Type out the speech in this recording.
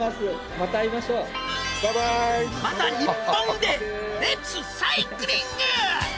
また日本でレッツサイクリング！